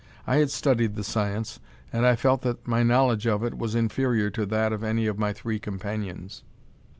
I had studied the science, and I felt that my knowledge of it was inferior to that of any of my three companions.